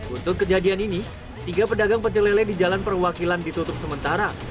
untuk kejadian ini tiga pedagang pecelele di jalan perwakilan ditutup sementara